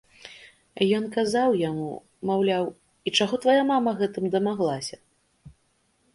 Ён казаў яму, маўляў, і чаго твая мама гэтым дамаглася?